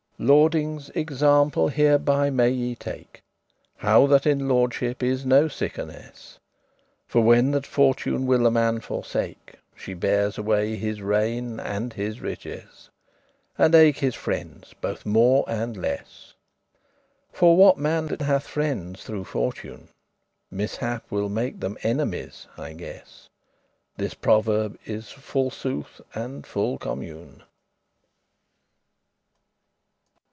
Lordings, example hereby may ye take, How that in lordship is no sickerness;* *security For when that Fortune will a man forsake, She bears away his regne and his richess, And eke his friendes bothe more and less, For what man that hath friendes through fortune, Mishap will make them enemies, I guess; This proverb is full sooth, and full commune.